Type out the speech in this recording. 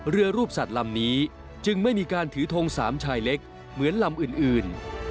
เรือรูปสัตว์ลำนี้จึงไม่มีการถือทงสามชายเล็กเหมือนลำอื่น